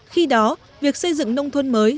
khi đó việc xây dựng nông thôn mới